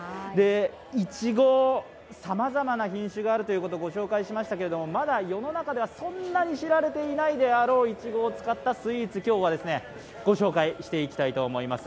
いちご、さまざまな品種があるとご紹介しましたがまだ世の中ではそんなに知られていないであろういちごを使ったスイーツ、今日はご紹介していきたいと思います。